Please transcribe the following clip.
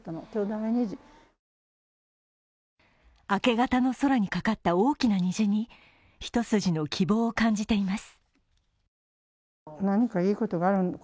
明け方の空にかかった大きな虹に一筋の希望を感じています。